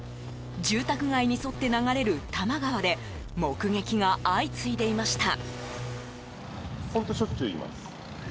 住宅街に沿って流れる多摩川で目撃が相次いでいました。